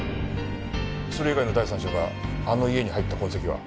それ以外の第三者があの家に入った痕跡は？